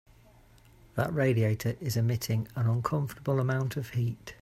That radiator is emitting an uncomfortable amount of heat.